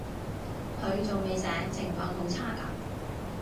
佢仲未醒，情況好差噉